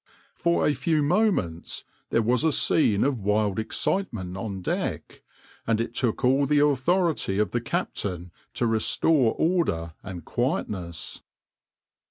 For a few moments there was a scene of wild excitement on deck, and it took all the authority of the captain to restore order and quietness.